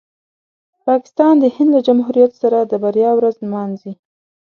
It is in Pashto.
پاکستان د هند له جمهوریت سره د بریا ورځ نمانځي.